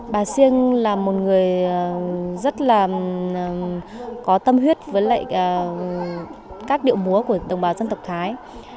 bà siêng là một người rất là có tâm huyết với lại các điệu múa của đồng bào dân tộc thái